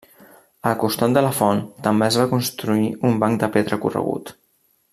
Al costat de la font també es va construir un banc de pedra corregut.